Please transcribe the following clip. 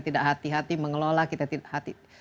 tidak hati hati mengelola kita